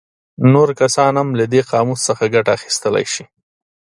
نور کسان هم له دې قاموس څخه ګټه اخیستلی شي.